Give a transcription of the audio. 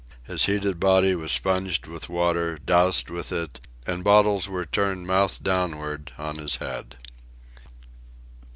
His heated body was sponged with water, doused with it, and bottles were turned mouth downward on his head.